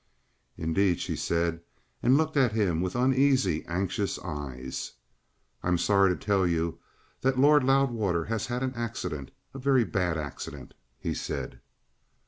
"Indeed?" she said, and looked at him with uneasy, anxious eyes. "I'm sorry to tell you that Lord Loudwater has had an accident, a very bad accident," he said.